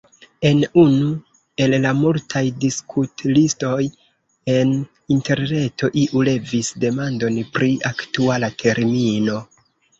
En unu el la multaj diskutlistoj en interreto iu levis demandon pri aktuala termino.